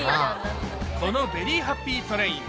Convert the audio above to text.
このベリーハッピートレイン